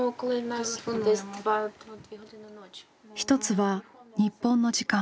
１つは日本の時間。